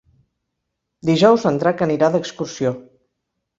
Dijous en Drac anirà d'excursió.